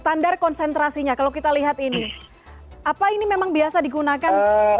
standar konsentrasinya kalau kita lihat ini apa ini memang biasa digunakan